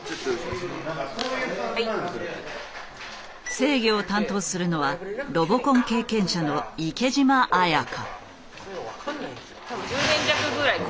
制御を担当するのはロボコン経験者の池嶋彩香。